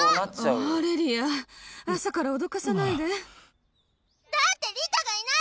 オーレリア朝から脅かさないでだってリタがいないの！